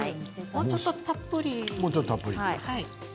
もうちょっとたっぷり。